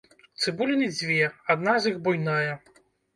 Цыбуліны дзве, адна з іх буйная.